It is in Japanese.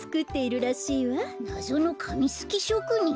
なぞのかみすきしょくにん？